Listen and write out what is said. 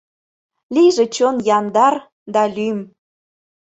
Лийже чон яндар да лӱм!